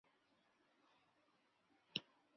德尔苏姆是德国下萨克森州的一个市镇。